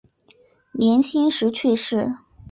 年轻时去世。